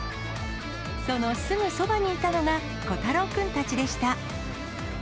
そのすぐそばにいたのが、虎太郎君たちでした。